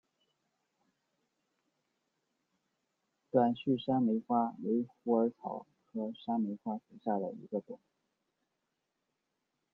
短序山梅花为虎耳草科山梅花属下的一个种。